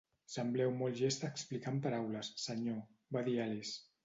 "Sembleu molt llest explicant paraules, senyor", va dir Alice.